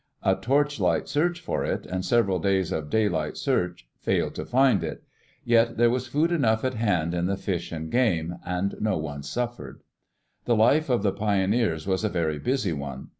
A torchlight search for it, and several days of daylight search, failed to find it. Yet there was food enough at hand in the fish and game, and no one suffered. The life of the pioneers was a very busy one.